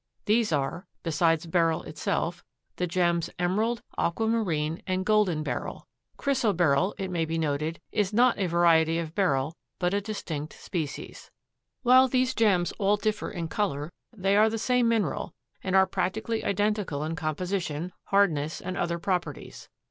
These are, besides Beryl itself, the gems emerald, aquamarine and golden beryl. Chrysoberyl, it may be noted, is not a variety of Beryl, but a distinct species. While these gems all differ in color, they are the same mineral and are practically identical in composition, hardness and other properties.